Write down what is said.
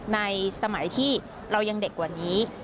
ในสมัยที่เรายังเด็กกว่านี้